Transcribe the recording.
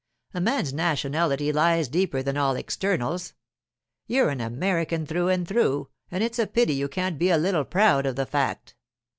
A man's nationality lies deeper than all externals. You're an American through and through, and it's a pity you can't be a little proud of the fact.